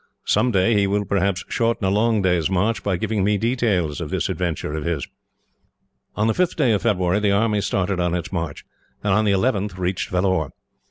Some day he will, perhaps, shorten a long day's march by giving me details of this adventure of his." On the 5th of February the army started on its march, and on the 11th reached Vellore.